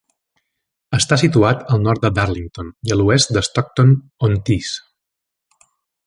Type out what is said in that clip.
Està situat al nord de Darlington, i a l'oest de Stockton-on-Tees.